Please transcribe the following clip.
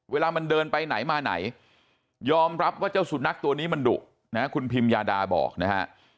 เวลามันเดินไปไหนมาไหนยอมรับว่าเจ้าสุนัขตัวนี้มันดุนะคุณพิมยาดาบอกนะฮะ